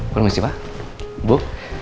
permisi pak bu